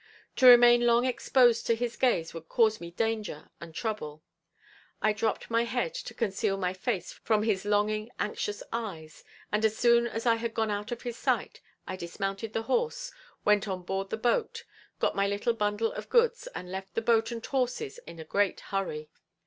To remain long exposed to his gaze would cause me danger and trouble. I dropped my head to conceal my face from his longing, anxious eyes, and as soon as I had gone out of his sight, I dismounted the horse, went on board the boat, got my little bundle of goods and left the boat and horses in a great hurry.